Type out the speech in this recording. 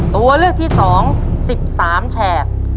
ตัวเลือกที่๒๑๓แฉก